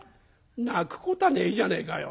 「泣くこたあねえじゃねえかよ。